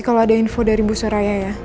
kalau ada info dari bu soraya ya